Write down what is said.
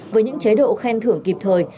với những chế độ khen thưởng kịp thời